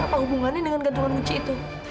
terus kenapa hubungannya dengan gantungan kunci itu